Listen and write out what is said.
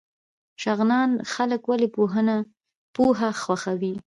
شغنان خلک ولې پوهه خوښوي؟